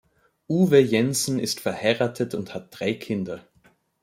Uwe Jensen ist verheiratet und hat drei Kinder.